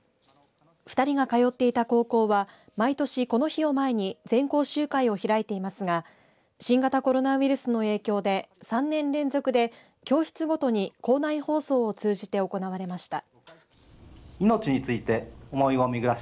２人が通っていた高校は毎年、この日を前に全校集会を開いていますが新型コロナウイルスの影響で３年連続で教室ごとに校内放送を通じて行われました。